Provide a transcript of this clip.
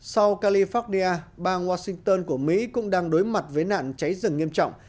sau california bang washington của mỹ cũng đang đối mặt với nạn cháy rừng nghiêm trọng